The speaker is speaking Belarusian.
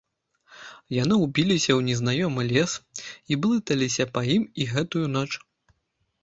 Яны ўбіліся ў незнаёмы лес і блыталіся па ім і гэтую ноч.